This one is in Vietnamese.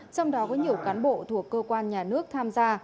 trong đó có nhiều cán bộ thuộc cơ quan nhà nước tham gia